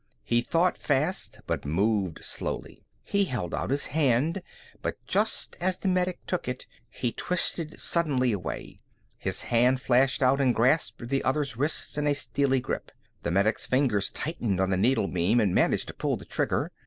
He thought fast but moved slowly. He held out his hand, but just as the medic took it, he twisted suddenly away. His hand flashed out and grasped the other's wrist in a steely grip. The medic's fingers tightened on the needle beam, and managed to pull the trigger.